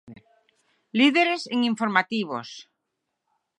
Líderes en informativos.